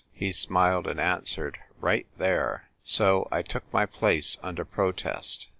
He smiled and answered, " Right there." So I took my place under protest.